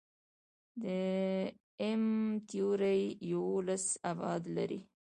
د M-تیوري یوولس ابعاد لري.